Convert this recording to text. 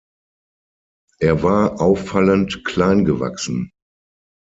Er war auffallend klein gewachsen.